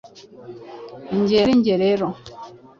nJye ari njye rero,